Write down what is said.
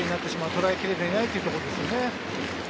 とらえきれていないというところですね。